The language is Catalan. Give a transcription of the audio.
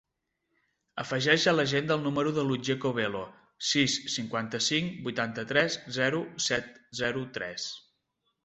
Afegeix a l'agenda el número de l'Otger Covelo: sis, cinquanta-cinc, vuitanta-tres, zero, set, zero, tres.